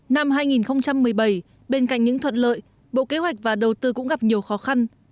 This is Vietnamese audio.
năm hai nghìn một mươi bảy bên cạnh những thuận lợi bộ kế hoạch và đầu tư cũng gặp nhiều khó khăn